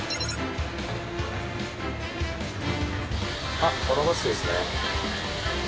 あっこのバスですね。